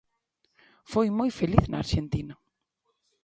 Foi moi feliz na Arxentina.